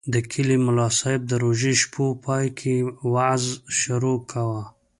د کلي ملاصاحب د روژې شپو پای کې وعظ شروع کاوه.